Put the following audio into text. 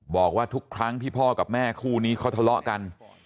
บอกว่าทุกครั้งที่พ่อกับแม่คู่นี้เขาทะเลาะกัน